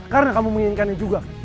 karena kamu menyanyikan yang juga